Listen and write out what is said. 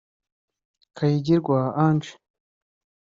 Kayigirwa Ange